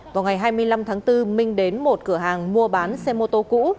vào ngày hai mươi năm tháng bốn minh đến một cửa hàng mua bán xe mô tô cũ